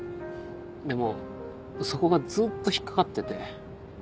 でもそこがずっと引っ掛かってて。